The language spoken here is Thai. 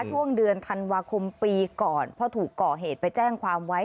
ช่วงเดือนธันวาคมปีก่อนเพราะถูกก่อเหตุไปแจ้งความไว้